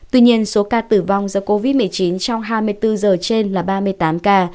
tuy nhiên số ca tử vong do covid một mươi chín trong hai mươi bốn giờ trên là ba mươi tám ca